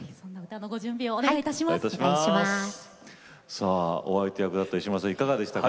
さあお相手役だった石丸さんいかがでしたか？